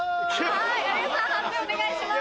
判定お願いします。